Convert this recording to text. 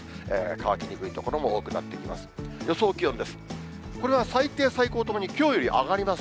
乾きにくい所も多くなってきます。